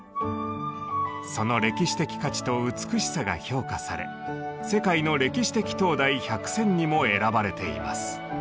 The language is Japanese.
その歴史的価値と美しさが評価され「世界の歴史的灯台１００選」にも選ばれています。